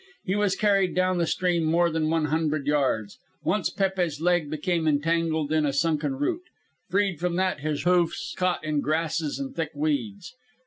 He was carried down the stream more than one hundred yards. Once Pépe's leg became entangled in a sunken root. Freed from that, his hoofs caught in grasses and thick weeds.